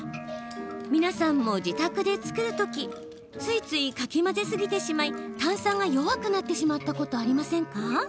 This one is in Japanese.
皆さんも自宅で作るときついつい、かき混ぜすぎてしまい炭酸が弱くなってしまったことありませんか？